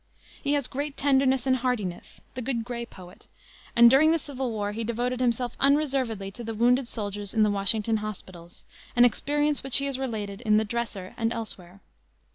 He has great tenderness and heartiness "the good gray poet;" and during the civil war he devoted himself unreservedly to the wounded soldiers in the Washington hospitals an experience which he has related in the Dresser and elsewhere.